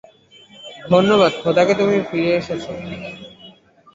ধন্যবাদ খোদাকে তুমি ফিরে এসেছো।